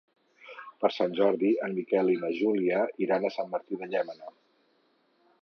Per Sant Jordi en Miquel i na Júlia iran a Sant Martí de Llémena.